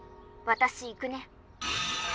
私行くね。